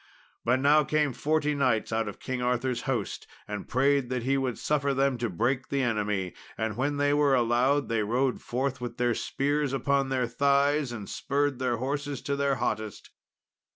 But now came forty noble knights out of King Arthur's host, and prayed that he would suffer them to break the enemy. And when they were allowed, they rode forth with their spears upon their thighs, and spurred their horses to their hottest.